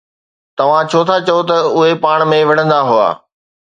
توهان ڇو ٿا چئو ته اهي پاڻ ۾ وڙهندا هئا؟